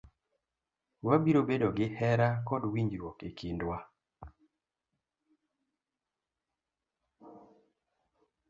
Wabiro bedo gi hera kod winjruok e kindwa.